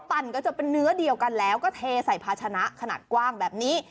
ปั่นก็จะเป็นเนื้อเดียวกันแล้วก็เทใส่ภาชนะขนาดกว้างแบบนี้